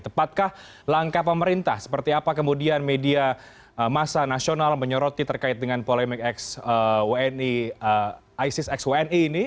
tepatkah langkah pemerintah seperti apa kemudian media masa nasional menyoroti terkait dengan polemik isis x wni ini